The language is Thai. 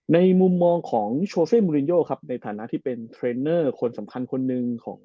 ในมุมมองของโชเซมูลินโยครับในฐานะที่เป็นเทรนเนอร์คนสำคัญคนหนึ่งของ